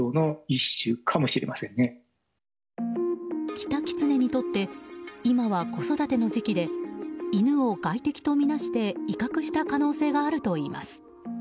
キタキツネにとって今は子育ての時期で犬を外的とみなして威嚇した可能性があるといいます。